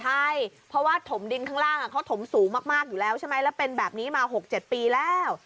ใช่เพราะว่าถมดินข้างล่างเขาถมสูงมากอยู่แล้วใช่ไหมแล้วเป็นแบบนี้มา๖๗ปีแล้ว